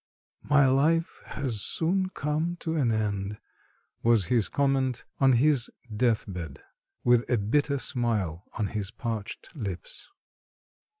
"My life has soon come to an end," was his comment on his deathbed, with a bitter smile on his parched lips.